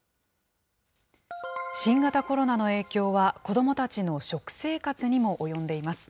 新型コロナの影響は、子どもたちの食生活にも及んでいます。